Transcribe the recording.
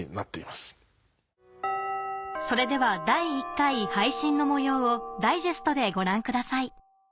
それでは第１回配信の模様をダイジェストでご覧ください